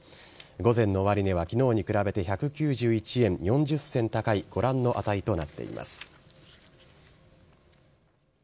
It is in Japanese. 午前の終値は昨日に比べて１９１円４０銭高いご覧の値となっています。